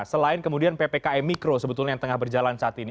selain kemudian ppkm mikro sebetulnya yang tengah berjalan saat ini